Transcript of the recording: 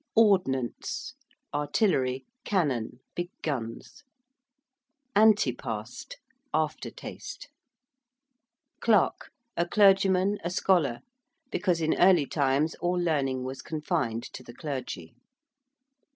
~ordnance~: artillery, cannon, big guns. ~antipast~: aftertaste. ~clerk~: a clergyman, a scholar, because in early times all learning was confined to the clergy.